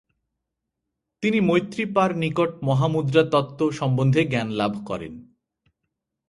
তিনি মৈত্রী পার নিকট মহামুদ্রা তত্ত্ব সম্বন্ধে জ্ঞানলাভ করেন।